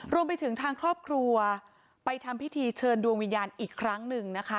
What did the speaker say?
รวมไปถึงทางครอบครัวไปทำพิธีเชิญดวงวิญญาณอีกครั้งหนึ่งนะคะ